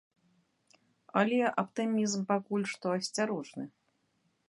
Але аптымізм пакуль што асцярожны.